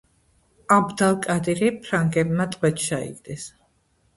აბდ ალ-კადირი ფრანგებმა ტყვედ ჩაიგდეს.